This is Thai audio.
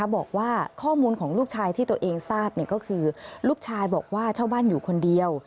บอกว่าข้อมูลของลูกชายที่ตัวเองทราบก็คือลูกชายบอกว่าเช่าบ้านอยู่คนเดียว